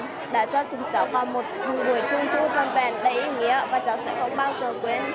cháu đã cho chúng cháu vào một buổi trung thu trọn vẹn đầy ý nghĩa và cháu sẽ không bao giờ quên